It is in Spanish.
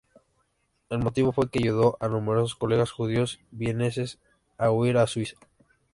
El motivo fue que ayudó a numerosos colegas judíos vieneses a huir a Suiza.